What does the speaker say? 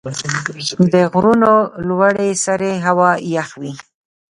د غرونو لوړې سرې هوا یخ وي.